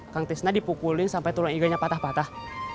kang tisna dipukulin sampai tulang iganya patah patah